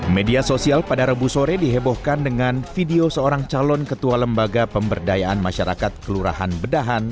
media sosial pada rabu sore dihebohkan dengan video seorang calon ketua lembaga pemberdayaan masyarakat kelurahan bedahan